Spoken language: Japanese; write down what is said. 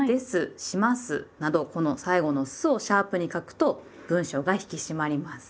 「します」などこの最後の「す」をシャープに書くと文章が引き締まります。